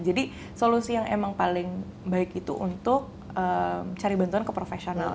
solusi yang emang paling baik itu untuk cari bantuan ke profesional